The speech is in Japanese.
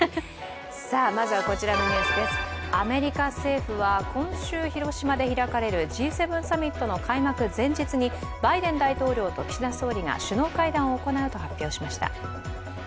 まずはアメリカ政府は今週、広島で開かれるＧ７サミットの開幕前日にバイデン大統領と岸田総理が首脳会談を行うと発表しました。